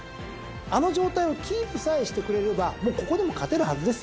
あの状態をキープさえしてくれればもうここでも勝てるはずですよ。